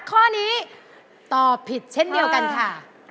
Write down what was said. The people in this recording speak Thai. ข้อนี้ตอบผิดเช่นเดียวกันค่ะ